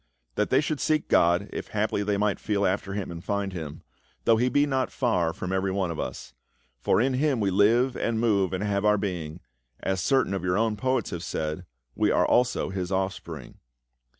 That they should seek God, if haply they might feel after him and find him — though he be not far from every one of us. For in him we live and move and have our being, as certain of your own poets have said, "• We are also his offspring.'